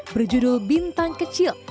berjudul bintang kecil